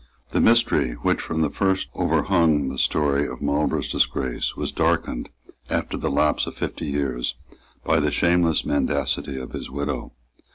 The mystery, which from the first overhung the story of Marlborough's disgrace, was darkened, after the lapse of fifty years, by the shameless mendacity of his widow.